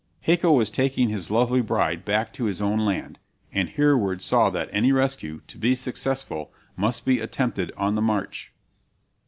Haco was taking his lovely bride back to his own land, and Hereward saw that any rescue, to be successful, must be attempted on the march.